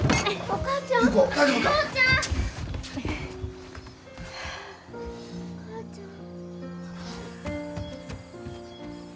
お母ちゃん。